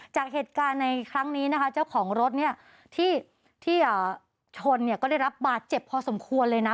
จากเหตุการณ์ในครั้งนี้นะคะเจ้าของรถเนี่ยที่ชนเนี่ยก็ได้รับบาดเจ็บพอสมควรเลยนะ